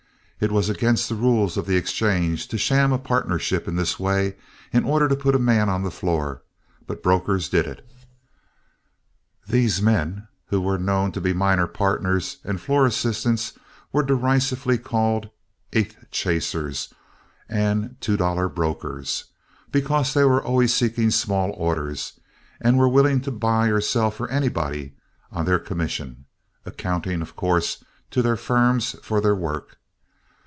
It was against the rules of the exchange to sham a partnership in this way in order to put a man on the floor, but brokers did it. These men who were known to be minor partners and floor assistants were derisively called "eighth chasers" and "two dollar brokers," because they were always seeking small orders and were willing to buy or sell for anybody on their commission, accounting, of course, to their firms for their work.